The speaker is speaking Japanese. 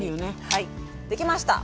はいできました！